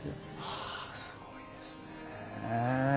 はあすごいですね。